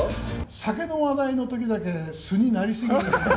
酒の話題のときだけ素になりすぎ。